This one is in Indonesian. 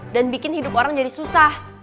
dan bikin hidup orang jadi susah